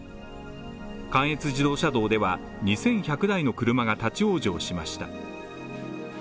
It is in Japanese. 関越自動車道では、２１００台の車が立ち往生しました。